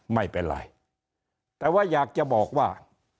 ไม่เป็นไรแต่ว่าอยากจะบอกว่า